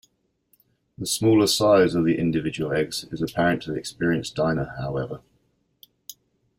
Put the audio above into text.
The smaller size of the individual eggs is apparent to the experienced diner, however.